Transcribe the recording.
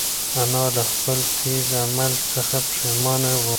انا له خپل تېز عمل څخه پښېمانه وه.